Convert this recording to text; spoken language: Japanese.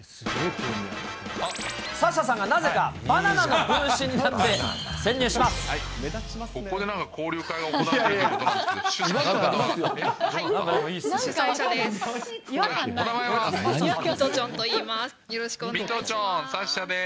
サッシャさんがなぜかバナナの分身になって潜入します。